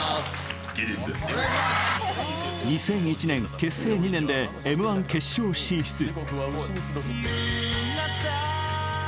２００１年、結成２年でＭ−１決勝進出。